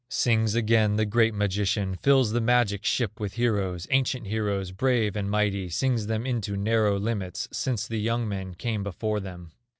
Sings again the great magician, Fills the magic ship with heroes, Ancient heroes, brave and mighty; Sings them into narrow limits, Since the young men came before them.